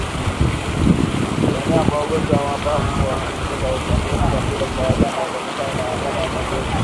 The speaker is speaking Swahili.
Kuenea kwa ugonjwa wa mapafu hutokea kwa kuambukiza chakula cha wanyama kunakofanywa na wanyama wagonjwa